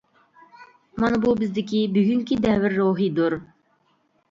مانا بۇ بىزدىكى بۈگۈنكى دەۋر روھىدۇر.